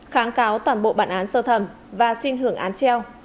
kháng cáo toàn bộ bản án sơ thẩm và xin hưởng án treo